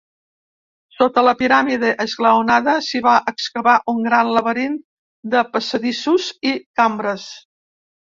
Sota la piràmide esglaonada, s'hi va excavar un gran laberint de passadissos i cambres.